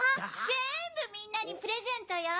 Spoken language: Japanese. ぜんぶみんなにプレゼントよ！